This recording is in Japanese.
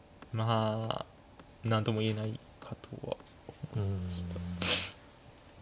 あ何とも言えないかとは思いました。